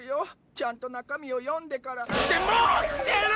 ちゃんと中身を読んでから。ってもうしてる！